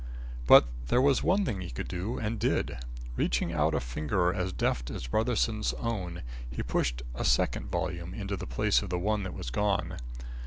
But there was one thing he could do and did. Reaching out a finger as deft as Brotherson's own, he pushed a second volume into the place of the one that was gone.